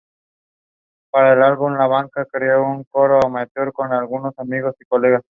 Para este álbum, la banda creó un coro amateur con algunos amigos y colegas.